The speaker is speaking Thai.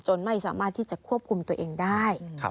ไม่สามารถที่จะควบคุมตัวเองได้